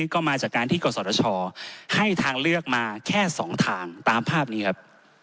ก็มาจากการที่กศชให้ทางเลือกมาแค่๒ทางตามภาพนี้ครับ